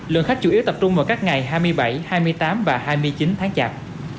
lượng khách chủ yếu tập trung vào các ngày hai mươi bảy hai mươi tám và hai mươi chín tháng chạp